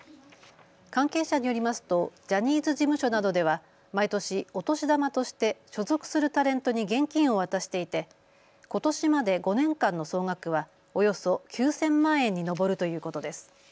関係者によりますとジャニーズ事務所などでは毎年お年玉として所属するタレントに現金を渡していてことしまで５年間の総額はおよそ９０００万円に上るということです。